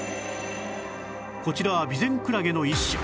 こちらはビゼンクラゲの一種